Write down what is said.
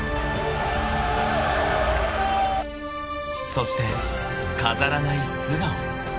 ［そして飾らない］